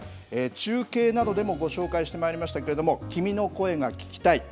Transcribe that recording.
中継などでもご紹介してまいりましたけれども、君の声が聴きたい。